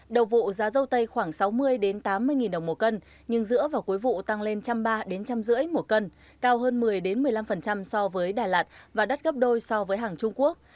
đầu vụ giá râu tây khoảng sáu mươi tám mươi đồng một cân nhưng giữa và cuối vụ tăng lên một trăm ba mươi một trăm năm mươi một cân cao hơn một mươi một mươi năm so với đà lạt và đắt gấp đôi so với hàng trung quốc